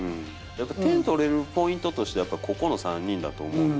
点取れるポイントとしては、やっぱここの３人だと思うんで。